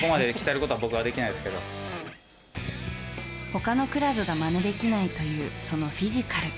他のクラブがまねできないというそのフィジカル。